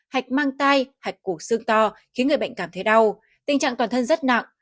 hạch mang tay hạch cổ xương to khiến người bệnh cảm thấy đau tình trạng toàn thân rất nặng